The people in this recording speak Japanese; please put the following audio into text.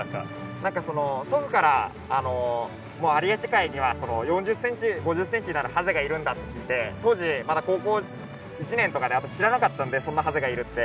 何か祖父から有明海には４０センチ５０センチになるハゼがいるんだって聞いて当時まだ高校１年とかで知らなかったんでそんなハゼがいるって。